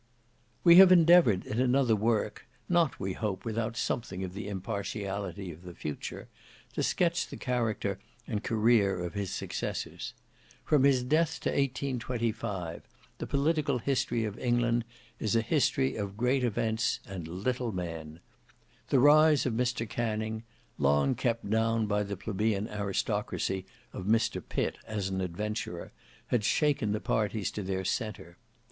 We have endeavoured in another work, not we hope without something of the impartiality of the future, to sketch the character and career of his successors. From his death to 1825, the political history of England is a history of great events and little men. The rise of Mr Canning, long kept down by the plebeian aristocracy of Mr Pitt as an adventurer, had shaken parties to their centre.